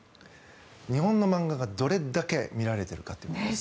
日本の漫画がどれだけ見られているかということです。